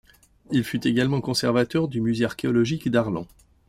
Il fut également conservateur du Musée archéologique d'Arlon.